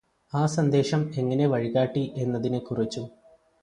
ആ സന്ദേശം എങ്ങനെ വഴികാട്ടി എന്നതിനെക്കുറിച്ചും